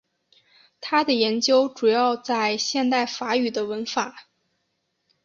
他的研究主要在现代法语的文法。